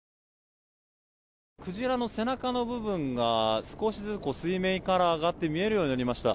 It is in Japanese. クジラの背中の部分が少しずつ、水面から上がって見えるようになりました。